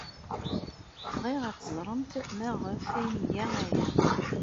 Bɣiɣ ad teẓremt maɣef ay nga aya.